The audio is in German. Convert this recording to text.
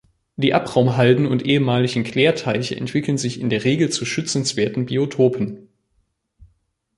Die Abraumhalden und ehemaligen Klärteiche entwickeln sich in der Regel zu schützenswerten Biotopen.